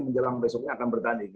menjelang besoknya akan bertanding